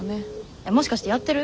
えっもしかしてやってる？